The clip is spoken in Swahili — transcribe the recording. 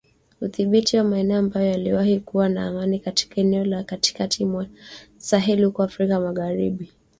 udhibiti wa maeneo ambayo yaliwahi kuwa na amani katika eneo la Katikati mwa Saheli huko Afrika magharibi